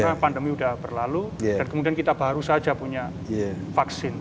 karena pandemi sudah berlalu dan kemudian kita baru saja punya vaksin